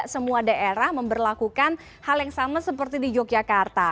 semua daerah memperlakukan hal yang sama seperti di yogyakarta